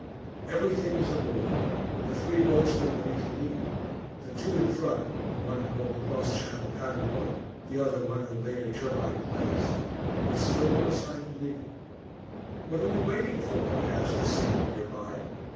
Everything was aboard; the three boats were ready to leave; the two in front, one an old cross Channel paddle boat, the other one of the later turbine class but still no sign of leaving. "What are we waiting for?" I asked a seaman near by.